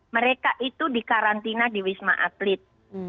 mereka itu dikarantina di wisma atlet